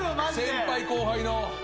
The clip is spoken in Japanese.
先輩後輩の。